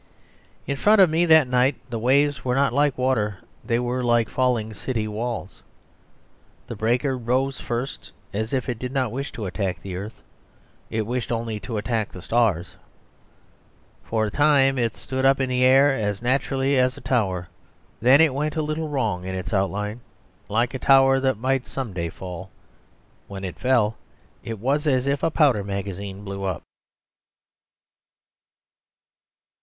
In front of me that night the waves were not like water: they were like falling city walls. The breaker rose first as if it did not wish to attack the earth; it wished only to attack the stars. For a time it stood up in the air as naturally as a tower; then it went a little wrong in its outline, like a tower that might some day fall. When it fell it was as if a powder magazine blew up.